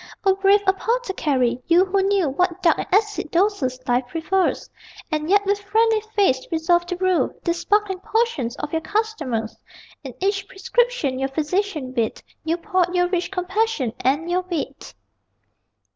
O brave apothecary! You who knew What dark and acid doses life prefers And yet with friendly face resolved to brew These sparkling potions for your customers In each prescription your Physician writ You poured your rich compassion and your wit!